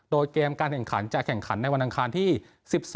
โดยเกมการแข่งขันจะแข่งขันในวันอังคารที่๑๒